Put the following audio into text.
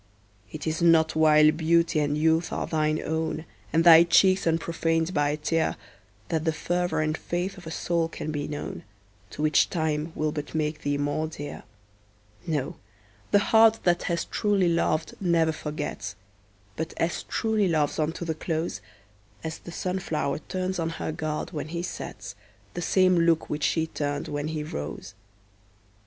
It is not while beauty and youth are thine own, And thy cheeks unprofaned by a tear, That the fervor and faith of a soul can be known, To which time will but make thee more dear; No, the heart that has truly loved never forgets, But as truly loves on to the close, As the sun flower turns on her god, when he sets, The same look which she turned when he rose.